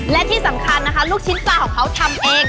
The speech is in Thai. และที่สำคัญนะคะลูกชิ้นปลาของเขาทำเอง